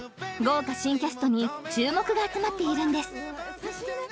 ［豪華新キャストに注目が集まっているんです］